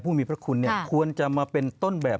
ผู้มีพระคุณเนี่ยควรจะมาเป็นต้นแบบ